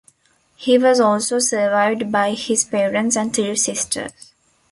He was also survived by his parents and three sisters.